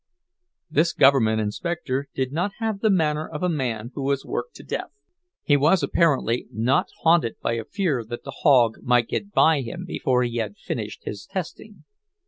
This government inspector did not have the manner of a man who was worked to death; he was apparently not haunted by a fear that the hog might get by him before he had finished his testing.